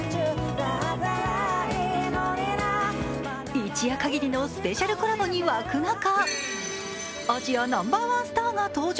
一夜かぎりのスペシャルコラボに沸く中、アジアナンバーワンスターが登場。